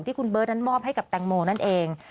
ที่คุณเบิร์ตนั้นมอบให้กับแตงโมนั่นเอง